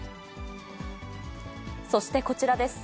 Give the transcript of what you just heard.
そしてこちらです。